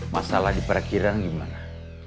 masalah di parkiran gimana